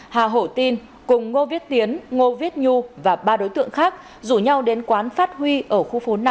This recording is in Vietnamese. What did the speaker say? hà hổ tin cùng ngô viết tiến ngô viết nhu và ba đối tượng khác rủ nhau đến quán phát huy ở khu phố năm